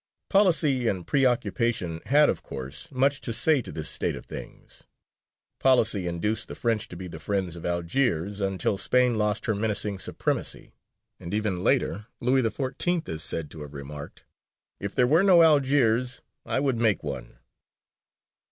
Policy and pre occupation had of course much to say to this state of things. Policy induced the French to be the friends of Algiers until Spain lost her menacing supremacy; and even later, Louis XIV. is said to have remarked, "If there were no Algiers, I would make one."